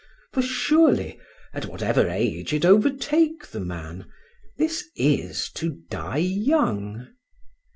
For surely, at whatever age it overtake the man, this is to die young.